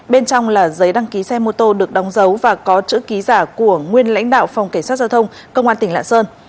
bên trong là giấy đăng ký xe mô tô được đóng dấu và có chữ ký giả của nguyên lãnh đạo phòng cảnh sát giao thông công an tỉnh lạng sơn